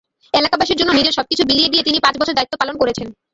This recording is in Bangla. এলাকাবাসীর জন্য নিজের সবকিছু বিলিয়ে দিয়ে তিনি পাঁচ বছর দায়িত্ব পালন করেছেন।